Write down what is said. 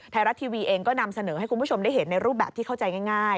ไทยรัฐทีวีเองก็นำเสนอให้คุณผู้ชมได้เห็นในรูปแบบที่เข้าใจง่าย